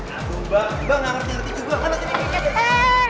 aduh mbak mbak gak ngerti ngerti juga